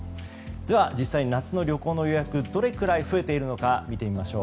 では実際に夏の旅行の予約がどれくらい増えているのか見てみましょう。